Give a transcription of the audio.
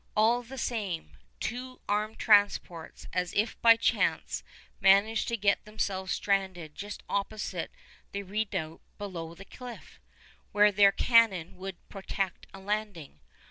All the same, two armed transports, as if by chance, managed to get themselves stranded just opposite the redoubt below the cliff, where their cannon would protect a landing.